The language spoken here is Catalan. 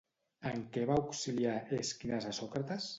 En què va auxiliar Èsquines a Sòcrates?